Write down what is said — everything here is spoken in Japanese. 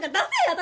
私。